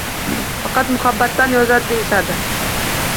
Faqt muhabbatdan yozadi, deyishadi.